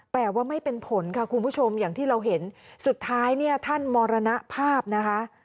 แต่ว่าไม่เป็นผลค่ะคุณผู้ชมอย่างที่เราเห็นสุดท้ายเนี่ยท่านมรณภาพนะคะ